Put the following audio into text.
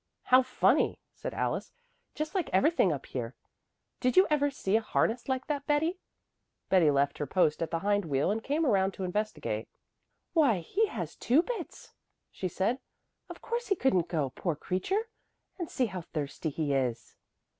"How funny," said Alice, "just like everything up here. Did you ever see a harness like that, Betty?" Betty left her post at the hind wheel and came around to investigate. "Why he has two bits," she said. "Of course he couldn't go, poor creature. And see how thirsty he is!"